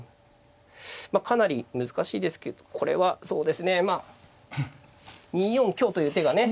かなり難しいですけどこれはそうですねまあ２四香という手がね。